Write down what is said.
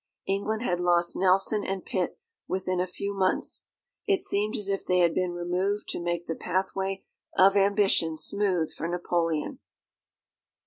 England had lost Nelson and Pitt within a few months. It seemed as if they had been removed to make the pathway of ambition smooth for Napoleon.